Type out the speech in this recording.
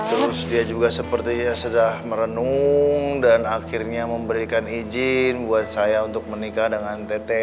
terus dia juga sepertinya sudah merenung dan akhirnya memberikan izin buat saya untuk menikah dengan tete